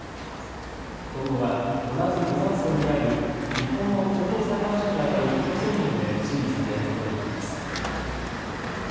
今後は同じブザンソンにある日本の高等裁判所にあたる控訴院で審理されることになります。